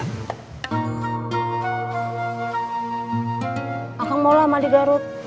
akan mau lama di garut